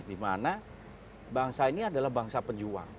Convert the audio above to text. dimana bangsa ini adalah bangsa penjuang